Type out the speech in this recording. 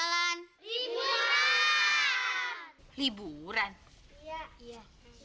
kan lam yang usia